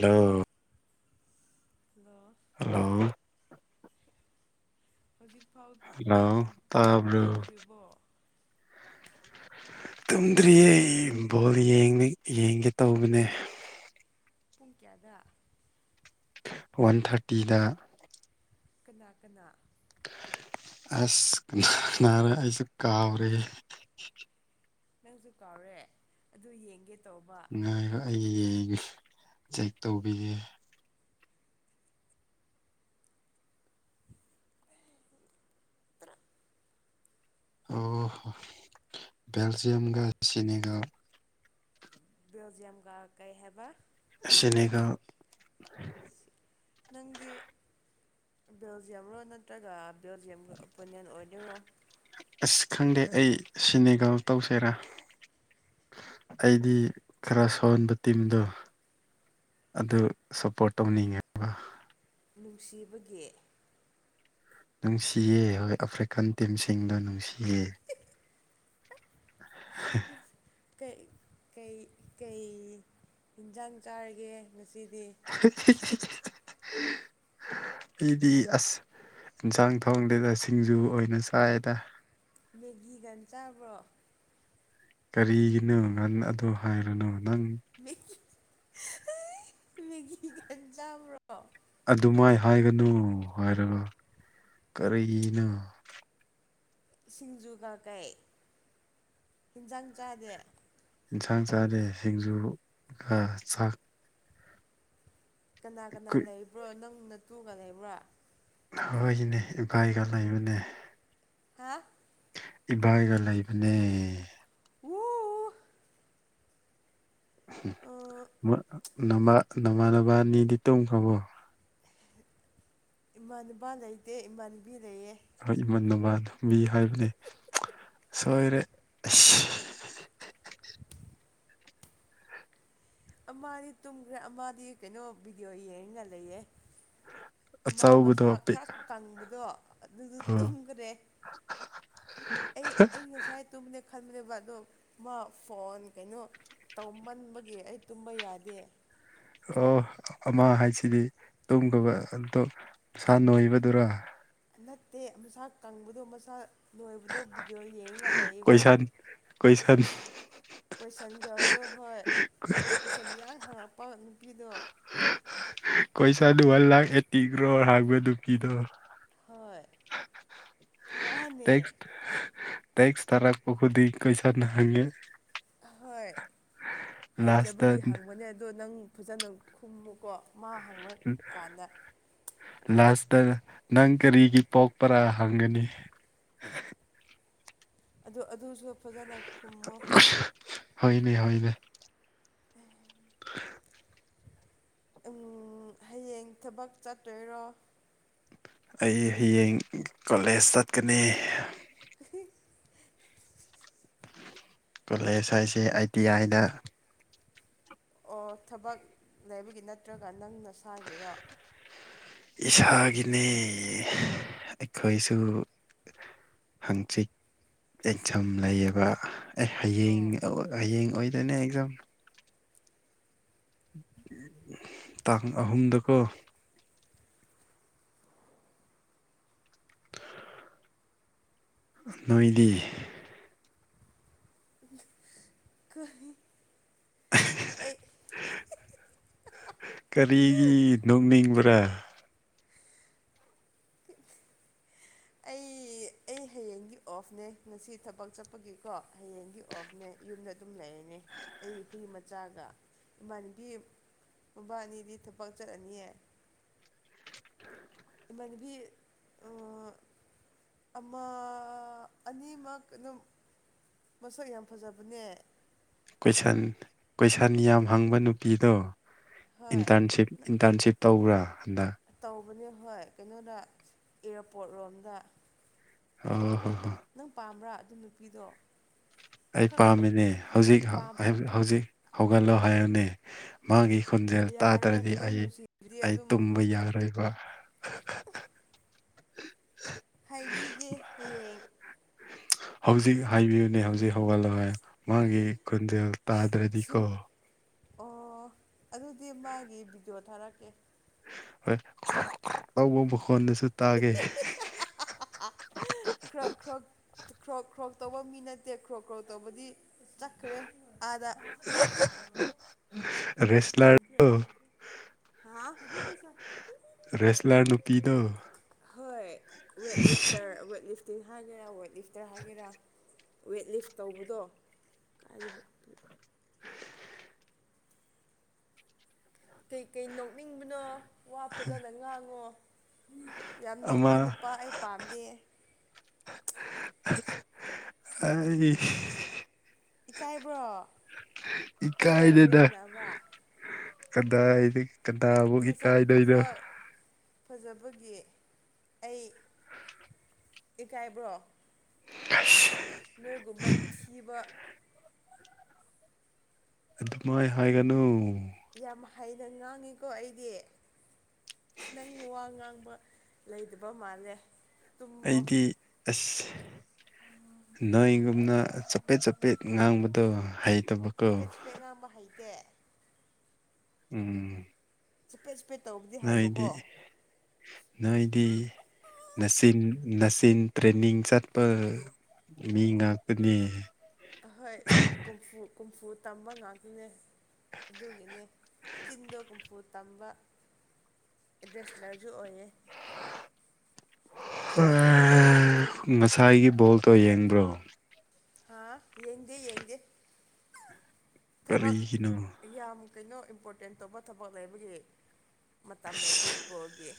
hello hello hello ꯍꯧꯖꯤꯛꯐꯥꯎ hello ꯇꯨꯝ ꯇꯥꯕ꯭ꯔꯣ ꯇꯨꯝꯗ꯭ꯔꯤꯕꯣ ꯇꯨꯝꯗ꯭ꯔꯤꯌꯦ ꯕꯣꯜ ꯌ‌ꯦꯡ ꯌꯦꯡꯒꯦ ꯇꯧꯕꯅꯦ ꯄꯨꯡ ꯀꯌꯥꯗ ꯋꯥꯟ ꯊꯥꯔꯇꯤꯗ ꯀꯅꯥ ꯀꯅꯥ ꯑꯁ ꯀꯅꯥꯀꯅꯥꯔꯥ ꯑꯩꯁꯨ ꯀꯥꯎꯔ‌ꯦ ꯅꯪꯖꯨ ꯀꯥꯎꯔꯦ ꯑꯗꯨ ꯌꯦꯡꯒꯦ ꯇꯧꯕ ꯉꯥꯏꯌ‌ꯣ ꯑꯩ ꯌ‌ꯦꯡꯒꯤ ꯆꯦꯛ ꯇꯧꯕꯤꯒ‌ꯦ [unintelligible] ꯑꯣ ꯕꯦꯜꯖꯤꯌꯝꯒ ꯁꯤꯅꯦꯒ ꯕ‌ꯦꯜꯖꯤꯌꯝꯒ ꯀꯩ ꯍꯥꯏꯕ ꯁꯤꯅꯦꯒ ꯅꯪꯗꯤ ꯕꯦꯜꯖꯤꯌꯝꯔꯣ ꯅꯠꯇ꯭ꯔꯒ ꯕꯦꯜꯖꯤꯌꯝꯒꯤ ꯑꯣꯄꯣꯅꯤꯌꯟ ꯑꯣꯏꯗꯨꯔꯣ ꯑꯁ ꯈꯪꯗꯦ ꯑꯩ ꯁꯤꯅꯦꯒꯜ ꯇꯧꯁꯦꯔꯥ ꯑꯩꯗꯤ ꯈꯔ ꯁꯣꯟꯕ ꯇꯤꯝꯗꯣ ꯑꯗꯨ ꯁꯞꯄꯣꯔꯠ ꯇꯧꯅꯤꯡꯉꯦ ꯅꯨꯡꯁꯤꯕꯒꯤ ꯅꯨꯡꯁꯤꯌꯦ ꯍꯣꯏ ꯑꯐ꯭ꯔꯤꯀꯥꯟ ꯇꯤꯝꯁꯤꯡꯗꯣ ꯅꯨꯡꯁꯤꯌꯦ ꯎꯝ [inaudible] ꯀꯩ ꯀꯩ ꯏꯟꯖꯥꯡ ꯆꯥꯔꯒꯦ ꯉꯁꯤꯗꯤ [inaudible] ꯑꯩꯗꯤ ꯑꯁ ꯌꯦꯟꯁꯥꯡ ꯊꯣꯡꯗꯣꯗ ꯁꯤꯡꯖꯨ ꯑꯣꯏꯅ ꯆꯥꯏꯗ ꯃꯦꯒꯤꯒꯥ ꯆꯥꯕ꯭ꯔꯣ ꯀꯔꯤꯒꯤꯅꯣ ꯉꯥꯟ ꯑꯗꯨ ꯍꯥꯏꯔꯅꯨ ꯅꯪ ꯃꯦꯒꯤ ꯃꯦꯒꯤꯒ ꯆꯥꯕ꯭ꯔꯣ ꯑꯗꯨꯃꯥꯏ ꯍꯥꯏꯒꯅꯨ ꯍꯥꯏꯔꯒ [unintelligible] ꯀꯔꯤꯅꯣ ꯁꯤꯡꯖꯨ ꯀ ꯀꯩ ꯍꯤꯟꯖꯥꯡ ꯆꯥꯗꯦ ꯌꯦꯟꯁꯥꯡ ꯆꯥꯗꯦ ꯁꯤꯡꯖꯨꯒ ꯆꯥꯛ ꯀꯅꯥ ꯀꯅꯥ ꯀꯨꯏ ꯂꯩꯕ꯭ꯔꯣ ꯅꯪ ꯅꯇꯨꯒ ꯂꯩꯕ꯭ꯔꯣ ꯍꯣꯢꯅꯦ ꯏꯄꯥꯏꯒ ꯂꯩꯕꯅꯦ ꯍꯥꯥ ꯏꯕꯥꯏꯒ ꯂꯩꯕꯅꯦ [inaudible] ꯑꯥ ꯅꯃ ꯅꯃꯅꯕꯥꯅꯤꯗꯤ ꯇꯨꯝꯈꯔꯕꯣ ꯏꯃꯥꯟꯅꯅꯕ ꯂꯩꯇꯦ ꯏꯃꯥꯟꯅꯕꯤ ꯂꯩꯌꯦ ꯍꯣꯏ ꯏꯃꯟ ꯅꯃꯥꯟ ꯃꯤ ꯍꯥꯏꯕꯅꯤ ꯁꯣꯏꯔꯦ ꯑꯁ ꯑꯃꯗꯤ ꯇꯨꯝꯈ꯭ꯔꯦ ꯑꯃꯗꯤ ꯀꯩꯅꯣ ꯚꯤꯗꯤꯑꯣ ꯌꯦꯡꯉ ꯂꯩꯌꯦ ꯑꯃ ꯑꯆꯧꯕꯗꯣ ꯃꯁꯥ ꯄꯤꯛ ꯈꯔ ꯀꯪꯕꯗꯣ ꯑꯗꯨꯗꯨ ꯑꯣ ꯇꯨꯝꯈ꯭ꯔꯦ ꯑꯩ ꯑꯩ ꯉꯁꯥꯏ ꯇꯨꯝꯅꯦ ꯈꯜꯂꯦꯕ ꯑꯗꯣ ꯃꯥ ꯐꯣꯟ ꯀꯩꯅꯣ ꯇꯧꯃꯟꯕꯒꯤ ꯑꯩ ꯇꯨꯝꯕ ꯌꯥꯗꯦ ꯑꯣ ꯑꯃ ꯍꯥꯏꯁꯤꯗꯤ ꯇꯨꯝꯒꯕ ꯃꯁꯥꯥ ꯅꯣꯏꯕꯗꯨꯔ ꯅꯠꯇꯦ ꯃꯁꯥ ꯀꯪꯕꯗꯣ ꯃꯁꯥ ꯅꯣꯏꯕꯗꯣ ꯚꯤꯗꯤꯑꯣ ꯌꯦꯡꯉꯒ ꯂꯩꯌꯦꯕ ꯀꯣꯏꯁꯟ ꯀꯣꯏꯁꯟ ꯀꯣꯏꯁꯟ ꯒ꯭ꯔꯣꯗꯣ ꯍꯣꯏ ꯀꯣꯏꯁꯟ ꯃꯤꯌꯥꯝꯡ ꯍꯥꯡꯉꯛꯄ ꯅꯨꯄꯤꯗꯣ ꯄꯩꯁꯥꯗꯨ ꯋꯥꯟ ꯂꯥꯈ ꯑꯦꯠꯇꯤ ꯀ꯭ꯔꯣꯔ ꯍꯥꯡꯕ ꯅꯨꯄꯤꯗꯣ ꯍꯣꯏ ꯃꯥꯅꯦ ꯇꯦꯛꯁ ꯇꯦꯛꯁ ꯇꯔꯛꯄ ꯈꯨꯗꯤꯡ ꯀꯣꯢꯁꯥꯟ ꯍꯪꯉꯤ ꯍꯣꯏ ꯂꯥꯁꯇ ꯍꯩꯇꯕꯒꯤ ꯍꯪꯕꯅꯦ ꯑꯗꯣ ꯅꯪ ꯐꯖꯅ ꯈꯨꯝꯃꯨꯀꯣ ꯃꯥ ꯍꯪꯉ ꯂꯥꯁꯇ ꯅꯪ ꯀꯔꯤꯒꯤ ꯄꯣꯛꯄꯔꯥ ꯍꯪꯒꯅꯤ ꯑꯗꯨ ꯑꯗꯨꯁꯨ ꯐꯖꯅ ꯈꯨꯝꯃꯣ ꯍꯣꯏꯅꯦ ꯍꯣꯏꯅꯦ ꯎꯝ [unintelligible] ꯍꯌꯦꯡ ꯊꯕꯛ ꯆꯠꯇꯣꯏꯔꯣ ꯑꯩ ꯍꯌꯦꯡ ꯀꯣꯂꯦꯖ ꯆꯠꯀꯅꯤ ꯑꯍꯤ ꯀꯣꯂꯦꯖ ꯍꯥꯏꯁꯦ ꯑꯩꯇꯤ ꯌꯥꯏꯗ ꯑꯣ ꯊꯕꯛ ꯂꯩꯕꯒꯤ ꯅꯠꯇ꯭ꯔꯒ ꯅꯪ ꯅꯁꯥꯒꯤꯔꯣ ꯏꯁꯥꯒꯤꯅꯦ ꯑꯩꯈꯣꯏꯁꯨ ꯍꯪꯆꯤꯛ ꯌꯦꯟꯁꯝ ꯂꯩꯌꯦꯕ ꯑꯦ ꯍꯌꯦꯡ ꯑꯣ ꯍꯌꯦꯡ ꯑꯣꯏꯗꯣꯏꯅꯦ ꯑꯦꯛꯖꯥꯝ ꯇꯥꯡ ꯑꯍꯨꯝꯗꯀꯣ ꯅꯣꯏꯗꯤ ꯀ ꯑꯩ ꯀꯔꯤꯒꯤ ꯅꯣꯛꯅꯤꯡꯕ꯭ꯔꯥ [unintelligible] ꯑꯩ ꯑꯩ ꯍꯌꯦꯡꯒꯤ ꯑꯣꯐꯅꯦ ꯉꯁꯤ ꯊꯕꯛ ꯆꯠꯄꯒꯤꯀꯣ ꯍꯌꯦꯡꯒꯤ ꯑꯣꯐꯅꯦ ꯌꯨꯝꯗ ꯑꯗꯨꯝ ꯂꯩꯔꯅꯦ ꯑꯩ ꯍꯨꯏ ꯃꯆꯥꯒ ꯏꯃꯥꯟꯅꯕꯤ ꯃꯄꯥ ꯑꯅꯤꯗꯤ ꯊꯕꯛ ꯆꯠꯂꯅꯤꯌꯦ ꯃꯅꯕꯤ ꯑꯃ ꯑꯅꯤꯃꯛ ꯑꯗꯨꯝ ꯃꯁꯛ ꯌꯥꯝ ꯐꯖꯕꯅꯦ ꯀꯣꯏꯁꯟ ꯀꯣꯏꯁꯟ ꯌꯥꯝ ꯍꯪꯕ ꯅꯨꯄꯤꯗꯣ ꯍꯣꯏ ꯏꯟꯇꯔꯟꯁꯤꯞ ꯏꯟꯇꯔꯟꯁꯤꯞ ꯇꯧꯕ꯭ꯔꯥ ꯍꯟꯗꯛ ꯇꯧꯕꯅꯦ ꯍꯣꯏ ꯀꯩꯅꯣꯗ ꯏꯌꯥꯔꯄꯣꯔꯠ ꯔꯣꯝꯗ ꯑꯣ ꯍ ꯍ ꯅꯪ ꯄꯥꯝꯕ꯭ꯔꯥ ꯑꯗꯨ ꯅꯨꯄꯤꯗꯣ ꯑꯩ ꯈꯔ ꯄꯥꯝꯃꯤꯅꯦ ꯍꯧꯖꯤꯛ ꯄꯥꯝ ꯍꯧꯖꯤꯛ ꯍꯧꯒꯠꯂꯣ ꯍꯥꯏꯌꯅꯦ ꯃꯥꯒꯤ ꯈꯣꯟꯖꯦꯜ ꯌꯥꯔꯣꯏ ꯇꯥꯗ꯭ꯔꯗꯤ ꯅꯪ ꯑꯩ ꯅꯨꯡꯁꯤꯕꯗꯤ ꯑꯩ ꯑꯗꯨꯝ ꯇꯨꯝꯕ ꯌꯥꯔꯣꯏꯕ [unintelligible] ꯍꯥꯏꯕꯤꯒꯦ ꯍꯌꯦꯡ ꯍꯧꯖꯤꯛ ꯍꯥꯏꯕꯤꯌꯨꯅꯦ ꯍꯧꯖꯤꯛ ꯍꯧꯒꯠꯂꯣ ꯍꯥꯏꯌꯣ ꯃꯥꯒꯤ ꯈꯣꯟꯖꯦꯜ ꯇꯥꯗ꯭ꯔꯗꯤꯀꯣ ꯁꯤꯡ ꯑꯣ ꯑꯗꯨꯗꯤ ꯃꯥꯒꯤ ꯚꯤꯗꯤꯑꯣ ꯊꯥꯔꯛꯀꯦ ꯍꯣꯏ ꯇꯧꯕ ꯃꯈꯣꯟꯗꯨꯁꯨ ꯇꯥꯒꯦ ꯈ꯭ꯔꯣꯛ ꯈ꯭ꯔꯣꯛ ꯈ꯭ꯔꯣꯛ ꯈ꯭ꯔꯣꯛ ꯇꯧꯕ ꯃꯤ ꯅꯠꯇꯦ ꯈ꯭ꯔꯣꯛ ꯈ꯭ꯔꯣꯛ ꯇꯧꯕꯗꯤ ꯆꯠꯈ꯭ꯔꯦ ꯀꯥꯗ [unintelligible] ꯔꯦꯁꯂꯔ ꯔꯦꯁꯂꯔ ꯅꯨꯄꯤꯗꯣ [unintelligible] ꯍꯣꯏ ꯋꯦ ꯂꯤꯁꯔꯋ ꯇꯤ ꯍꯥꯏꯒꯦꯔꯥ ꯋꯦꯠ ꯂꯤꯐꯇꯔ ꯍꯥꯏꯒꯦꯔꯥ ꯋꯦꯠ ꯂꯤꯐ ꯇꯧꯕꯗꯣ ꯀꯥꯏꯕꯛꯇ ꯀꯩꯀꯩ ꯅꯣꯛꯅꯤꯡꯕꯅꯣ ꯋꯥ ꯐꯖꯅ ꯉꯥꯡꯉꯣ ꯌꯥꯝ ꯅꯣꯛꯄ ꯑꯃ ꯅꯨꯄꯥ ꯑꯩ ꯄꯥꯝꯗꯦ ꯑꯩ ꯏꯀꯥꯏꯕ꯭ꯔꯣ ꯑꯩꯒ ꯋꯥꯔꯤ ꯏꯀꯥꯏꯗꯦꯗ ꯁꯥꯟꯅꯕ ꯀꯗꯥꯏꯗ ꯀꯗꯧꯕꯒꯤ ꯃꯁꯛ ꯀꯥꯏꯕꯩꯔꯣ ꯐꯖ ꯐꯖꯕꯒꯤ ꯑꯩ ꯏꯀꯥꯏꯕ꯭ꯔꯣ ꯑꯁ ꯅꯣꯏꯒꯨꯝꯕ ꯊꯤꯕ ꯑꯗꯨꯃꯥꯏ ꯍꯥꯏꯒꯅꯨ ꯌꯥꯝ ꯍꯩꯅ ꯉꯥꯡꯉꯤꯀꯣ ꯑꯩꯗꯤ ꯅꯪ ꯋꯥ ꯉꯥꯡꯕ ꯂꯩꯗꯕ ꯃꯥꯜꯂꯦ ꯇꯨꯝꯃꯣ ꯑꯩꯗꯤ ꯑꯁ ꯅꯣꯏꯒꯨꯝꯅ ꯆꯄꯦꯠ ꯆꯄꯦꯠ ꯉꯥꯡꯕꯗꯣ ꯍꯩ ꯆꯄꯦꯠ ꯆꯄꯦꯠ ꯉꯥꯡꯕ ꯍꯩꯇꯦ ꯎꯝ ꯆꯄꯦꯠ ꯆꯄꯦꯠ ꯇꯧꯕꯗꯤ ꯍꯩꯕꯀꯣ ꯅꯣꯏꯗꯤ ꯅꯣꯏꯗꯤ ꯅꯆꯤꯟ ꯅꯆꯤꯟ ꯇ꯭ꯔꯦꯟꯅꯤꯡ ꯆꯠꯄ ꯃꯤ ꯉꯥꯛꯇꯅꯤ ꯑꯍꯣꯏ ꯀꯨ ꯀꯨꯝꯐꯨ ꯀꯨꯝꯐꯨ ꯇꯝꯕ ꯉꯥꯛꯇꯅꯦ ꯑꯗꯨꯒꯤꯅꯦ ꯆꯤꯟꯗꯣ ꯀꯨꯝꯐꯨ ꯇꯝꯕ ꯑꯦꯗ꯭ꯔꯦꯁꯂꯔꯁꯨ ꯑꯣꯏꯌꯦ ꯉꯁꯥꯏꯒꯤ ꯕꯣꯜꯇꯣ ꯌꯦꯡꯕ꯭ꯔꯣ ꯍꯥ ꯌꯦꯡꯗꯦ ꯌꯦꯡꯗꯦ ꯊꯕꯛ ꯀꯔꯤꯒꯤꯅꯣ ꯌꯥꯝ ꯀꯩꯅꯣ ꯏꯝꯄꯣꯔꯇꯦꯟ ꯇꯧꯕ ꯊꯕꯛ ꯂꯩꯕꯒꯤ ꯃꯇꯝ ꯂꯩꯇꯦ ꯑꯁ ꯕꯣꯜꯒꯤ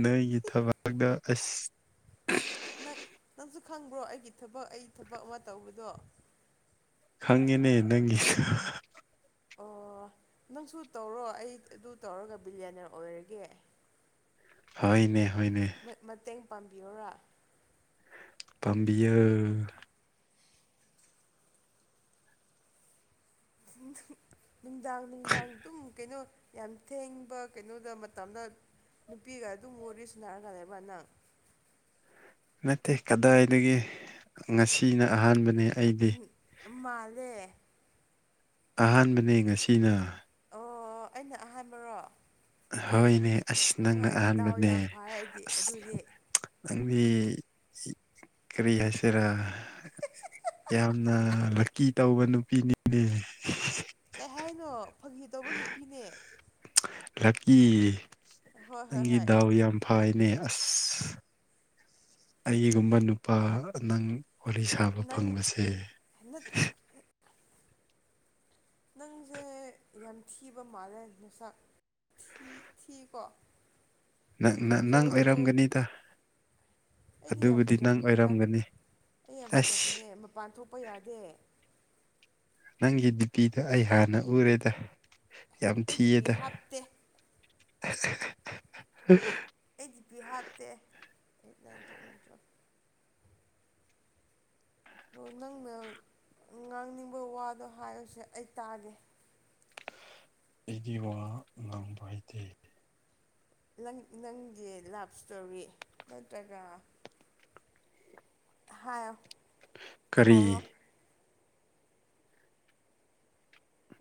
ꯅꯣꯏꯒꯤ ꯊꯕꯛ ꯗꯣ ꯑꯁ ꯅꯛ ꯅꯪꯁꯨ ꯈꯪꯕ꯭ꯔꯣ ꯑꯩꯒꯤ ꯊꯕꯛ ꯑꯩ ꯊꯕꯛ ꯑꯃ ꯇꯧꯕꯗꯣ ꯈꯪꯉꯦꯅꯦ ꯅꯪꯒꯤ ꯑꯣ ꯅꯪꯁꯨ ꯇꯧꯔꯣ ꯑꯩ ꯑꯗꯨ ꯇꯧꯔꯒ ꯕꯤꯂꯤꯅ꯭ꯌꯔ ꯑꯣꯏꯔꯒꯦ ꯍꯣꯏꯅꯦ ꯍꯣꯏꯅꯦ ꯃꯇꯦꯡ ꯄꯥꯡꯕꯤꯌꯨꯔꯥ ꯄꯥꯝꯕꯤꯌꯣ ꯅꯨꯡꯗꯥꯡ ꯅꯨꯡꯗꯥꯡ ꯑꯗꯨꯝ ꯀꯩꯅꯣ ꯌꯥꯝ ꯊꯦꯡꯕ ꯀꯩꯅꯣꯗ ꯃꯇꯝꯗ ꯅꯨꯄꯤꯒ ꯑꯗꯨꯝ ꯋꯥꯔꯤ ꯁꯥꯟꯅꯔꯒ ꯂꯩꯕ ꯅꯪ ꯅꯠꯇꯦ ꯀꯗꯥꯏꯗꯒꯤ ꯉꯁꯤꯅ ꯑꯍꯥꯟꯕꯅꯤ ꯃꯥꯜꯂꯦ ꯑꯍꯥꯟꯕꯅꯦ ꯉꯁꯤꯅ ꯑꯣ ꯑꯩꯅ ꯑꯍꯥꯟꯕꯔꯣ ꯍꯣꯏꯅꯦ ꯑꯁ ꯅꯪꯅ ꯍꯣꯏ ꯗꯥꯎ ꯑꯍꯥꯟꯕꯅꯦ ꯌꯥꯝ ꯐꯔꯦ ꯑꯩꯗꯤ ꯑꯁ ꯑꯗꯨꯗꯤ ꯅꯪꯗꯤ ꯀꯔꯤ ꯍꯥꯏꯁꯦꯔꯥ ꯌꯥꯝꯅ ꯂꯛꯀꯤ ꯇꯧꯕ ꯅꯨꯄꯤꯅꯤꯅꯦ ꯀꯩ ꯍꯥꯏꯅꯣ ꯐꯪꯈꯤꯗꯧꯕ ꯅꯨꯄꯤꯅꯦ ꯂꯥꯛꯀꯤ ꯍꯣꯏ ꯍꯣꯏ ꯅꯪꯒꯤ ꯍꯣꯏ ꯗꯥꯎ ꯌꯥꯝ ꯐꯥꯏꯅꯦ ꯑꯁ ꯑꯩꯒꯨꯝꯕ ꯅꯨꯄꯥ ꯅꯪ ꯋꯥꯔꯤ ꯁꯥꯕ ꯅꯪ ꯐꯪꯕꯁꯦ ꯅꯠ ꯅꯪꯁꯦ ꯌꯥꯝ ꯊꯤꯕ ꯃꯥꯜꯂꯦ ꯅꯁꯥꯛ ꯊꯀꯣ ꯅꯪ ꯅꯪ ꯑꯣꯏꯔꯝꯒꯅꯤꯗ ꯑꯩꯗꯤ ꯌꯥꯝ ꯑꯗꯨꯕꯨꯗꯤ ꯅꯪ ꯐꯖꯕꯅꯦꯗ ꯑꯣꯏꯔꯝꯒꯅꯤ ꯑꯩ ꯌꯥꯝ ꯑꯁ ꯐꯖꯕꯅꯦ ꯃꯄꯥꯟ ꯊꯣꯛꯄ ꯌꯥꯗꯦ ꯅꯪꯒꯤ ꯗꯤꯄꯤꯗ ꯑꯩ ꯍꯥꯟꯅ ꯎꯔꯦꯗ ꯌꯥꯝ ꯑꯩ ꯗꯤ ꯄꯤ ꯊꯤꯌꯦꯗ ꯍꯥꯞꯇꯦ [unintelligible] ꯑꯩ ꯗꯤꯄꯤ ꯍꯥꯞꯇꯦ ꯑꯦꯠ ꯅꯥꯏꯟ ꯑꯦꯜꯚꯦꯟ ꯇ꯭ꯋꯦꯜꯕ ꯑꯗꯣ ꯅꯪꯅ ꯉꯥꯡꯅꯤꯡꯕ ꯋꯥꯗꯣ ꯍꯥꯏꯔꯣꯁꯦ ꯑꯩ ꯇꯥꯒꯦ ꯑꯩꯗꯤ ꯋꯥ ꯉꯥꯡꯕ ꯍꯩꯇꯦ ꯅꯪ ꯅꯪꯒꯤ ꯂꯞ ꯁ꯭ꯇꯣꯔꯤ ꯅꯠꯇ꯭ꯔꯒ ꯍꯥ ꯀꯔꯤ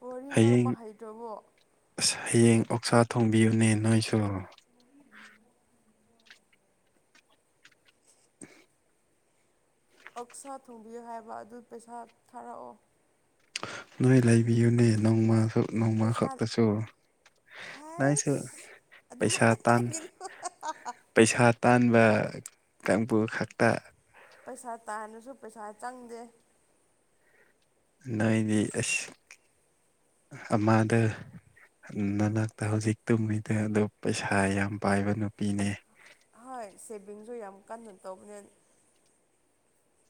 ꯋꯥꯔꯤ ꯉꯥꯡꯕ ꯍꯌꯦꯡ ꯍꯩꯇ꯭ꯔꯕꯣ ꯑꯁ ꯍꯌꯦꯡ ꯑꯣꯛꯁꯥ ꯊꯣꯡꯕꯤꯌꯨꯅꯦ ꯅꯣꯏꯁꯨ ꯑꯛꯁꯥ ꯊꯣꯡꯕꯤꯌꯨ ꯍꯥꯏꯕ ꯑꯗꯨ ꯄꯩꯁꯥ ꯊꯥꯔꯛꯑꯣ ꯅꯣꯏ ꯂꯩꯕꯤꯌꯨꯅꯦ ꯅꯣꯡꯃꯁꯨ ꯅꯣꯡꯃ ꯄꯩꯁꯥ ꯈꯛꯇ ꯁꯨꯔ ꯍꯥꯏꯁ ꯑꯗꯨꯝ ꯄꯩꯁꯥ ꯇꯥꯟ ꯍꯥꯏꯒꯤꯅꯤꯀꯣ ꯄꯩꯁꯥ ꯇꯥꯟꯕ ꯀꯥꯡꯕꯨ ꯈꯛꯇ ꯄꯩꯁꯥ ꯇꯥꯅꯁꯨ ꯄꯩꯁꯥ ꯆꯪꯗꯦ ꯅꯣꯏꯗꯤ ꯑꯁꯨ ꯑꯃꯥꯗ ꯅꯅꯥꯛꯇ ꯍꯧꯖꯤꯛ ꯇꯨꯝꯃꯤꯗ ꯑꯗꯨ ꯄꯩꯁꯥ ꯌꯥꯝ ꯄꯥꯏꯕ ꯅꯨꯄꯤꯅꯦ ꯍꯣꯏ ꯁꯦꯚꯤꯡꯁꯨ ꯌꯥꯝ ꯀꯟꯅ ꯇꯧꯕꯅꯦ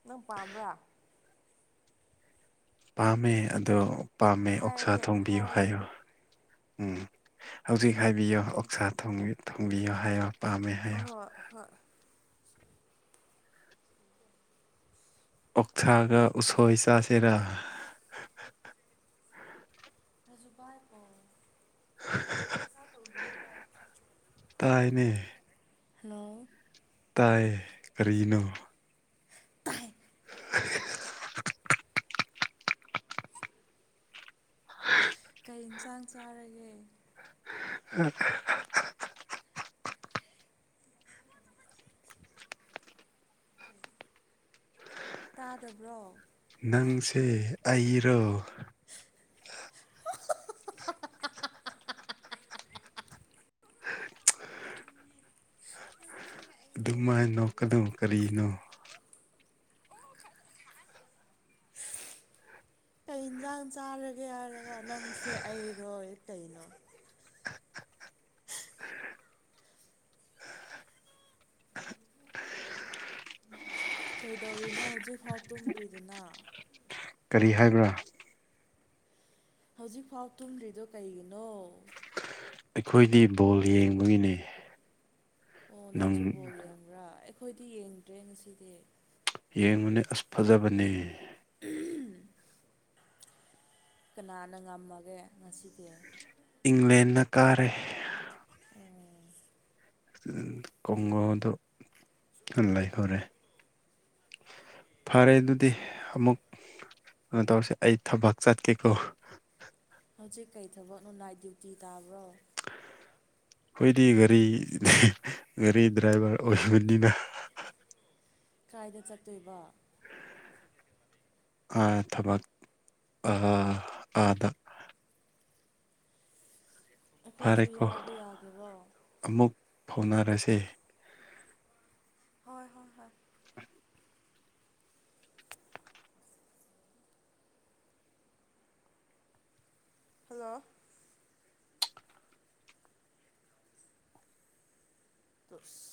ꯅꯪ ꯄꯥꯝꯕ꯭ꯔꯥ ꯄꯥꯝꯃꯦ ꯑꯗꯣ ꯄꯥꯝꯃꯦ ꯑꯣꯛꯁꯥ ꯍꯥꯏꯔꯒꯦ ꯊꯣꯡꯕꯤꯌꯨ ꯍꯥꯏꯔꯒꯦ ꯍꯥꯏꯌꯨ ꯑꯗꯨ ꯎꯝ ꯍꯧꯖꯤꯛ ꯍꯥꯏꯕꯤꯌꯣ ꯑꯣꯛꯁꯥ [unintelligible] ꯊꯣꯡꯕꯤꯌꯣ ꯍꯥꯏꯌꯣ ꯄꯥꯝꯃꯦ ꯍꯥꯏꯌꯣ ꯑ ꯍꯣꯏ ꯑꯣꯛꯊꯥꯒ ꯎꯁꯣꯏ ꯆꯥꯁꯤꯔ ꯔꯖꯨꯕꯥꯏ ꯑꯣ ꯇꯥꯏꯅꯦ [unintelligible] ꯍꯜꯂꯣ ꯇꯥꯏ ꯀꯔꯤꯅꯣ [unintelligible] [inaudible] ꯀꯩ ꯏꯟꯁꯥꯡ ꯆꯥꯔꯒꯦ [unintelligible] [unintelligible] ꯇꯥꯗꯕ꯭ꯔꯣ ꯅꯪꯁꯦ ꯑꯩꯔꯣ [unintelligible] ꯑꯗꯨꯝꯃꯥꯏꯅꯣ ꯀꯅꯨ ꯀꯔꯤꯅꯣ ꯑꯩ ꯏꯟꯁꯥꯡ ꯆꯥꯔꯒꯦ ꯍꯥꯏꯔꯒ ꯅꯪꯁꯦ ꯑꯩꯔꯣꯏ ꯀꯩꯅꯣ ꯀꯩꯗꯧꯔꯤꯅꯣ ꯍꯧꯖꯤꯛꯐꯥꯎ ꯇꯨꯝꯗ꯭ꯔꯤꯗꯨꯅ ꯀꯔꯤ ꯍꯥꯏꯕ꯭ꯔꯥ ꯍꯧꯖꯤꯛꯐꯥꯎ ꯊꯨꯝꯗ꯭ꯔꯤꯗꯨ ꯀꯩꯒꯤꯅꯣ ꯑꯩꯈꯣꯏꯗꯤ ꯕꯣꯜ ꯌꯦꯡꯕꯒꯤꯅꯦ ꯑꯣ ꯅꯪ ꯅꯪꯁꯨ ꯕꯣꯜ ꯌꯦꯡꯕ꯭ꯔꯥ ꯑꯩꯈꯣꯏꯗꯤ ꯌꯦꯡꯗ꯭ꯔꯦ ꯉꯁꯤꯗꯤ ꯌꯦꯡꯎꯅꯦ ꯑꯁ ꯐꯖꯕꯅꯦ [unintelligible] ꯀꯅꯥꯅ ꯉꯝꯃꯒꯦ ꯉꯁꯤꯗꯤ ꯏꯪꯂꯦꯟꯅ ꯀꯥꯔꯦ [unintelligible] ꯀꯣꯡꯉꯥꯗ ꯂꯩꯐꯥꯔꯦ ꯐꯔꯦ ꯑꯗꯨꯗꯤ ꯑꯃꯨꯛ ꯀꯩꯅꯣ ꯇꯧꯔꯁꯦ ꯑꯩ ꯊꯕꯛ ꯆꯠꯀꯦꯀꯣ ꯍꯧꯖꯤꯛ ꯀꯩ ꯊꯕꯛꯅꯣ ꯅꯥꯏꯠ ꯗ꯭ꯌꯨꯇꯤ ꯇꯥꯕ꯭ꯔꯣ ꯑꯣꯏꯗꯤ ꯒꯥꯔꯤ ꯒꯥꯔꯤ ꯗ꯭ꯔꯥꯏꯚꯔ ꯑꯣꯏꯕꯅꯤꯅ ꯀꯥꯏꯗ ꯆꯠꯇꯣꯏꯕ ꯑꯥ ꯊꯕꯛ ꯑꯥ ꯑꯥꯗ ꯑꯩꯈꯣꯏꯁꯨ ꯐꯔꯦꯀꯣ ꯌꯥꯎꯕ ꯌꯥꯒꯦꯔꯣ ꯑꯃꯨꯛ ꯐꯥꯎꯅꯔꯁꯦ ꯍꯣꯏ ꯍꯣꯏ ꯍꯣꯏ [inaudible] ꯍꯜꯂꯣ [unintelligible]